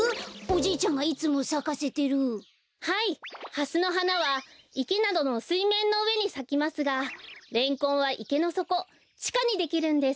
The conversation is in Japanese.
ハスのはなはいけなどのすいめんのうえにさきますがレンコンはいけのそこちかにできるんです。